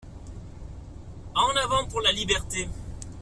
En avant pour la Liberté!